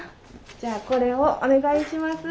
じゃあこれをお願いします。